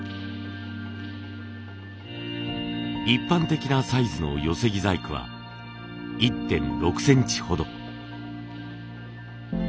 一般的なサイズの寄木細工は１．６センチほど。